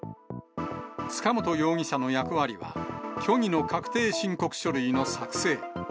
塚本容疑者の役割は、虚偽の確定申告書類の作成。